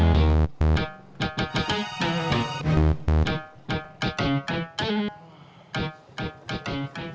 kaki gue kanjak anak lo deh